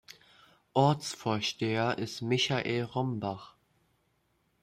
Ortsvorsteher ist Michael Rombach.